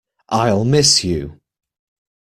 I’ll miss you.